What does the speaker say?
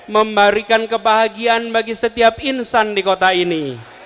memberikan kebahagiaan bagi setiap insan di kota ini